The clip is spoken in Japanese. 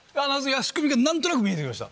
仕組み何となく見えて来ました。